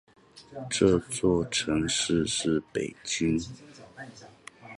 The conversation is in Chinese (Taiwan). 這座城市是北京